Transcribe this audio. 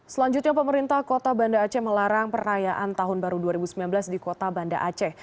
selanjutnya pemerintah kota banda aceh melarang perayaan tahun baru dua ribu sembilan belas di kota banda aceh